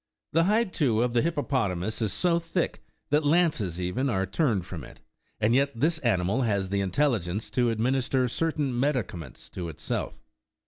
The hide, too, of the hippopotamus is so thick, that lances,16 even, are turned from it, and yet this animal has the intelligence to administer certain medicaments to itself.